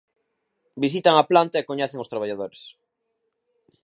Visitan a planta e coñecen os traballadores.